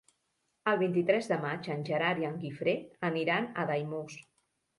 El vint-i-tres de maig en Gerard i en Guifré aniran a Daimús.